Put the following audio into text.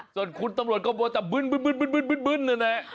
จนคุณสมตำรวจก็เขาจะบ้ึ้นเนี่ยนี่